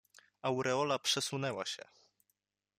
Aureola przesunęła się.